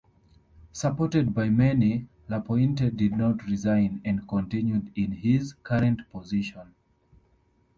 Supported by many, Lapointe did not resign and continued in his current position.